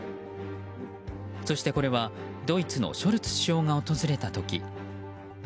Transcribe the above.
そしてこれはドイツのショルツ首相が訪れた時。